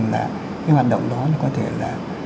là cái hoạt động đó có thể là